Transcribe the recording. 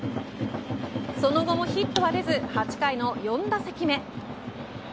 その後もヒットは出ず８回の４打席目。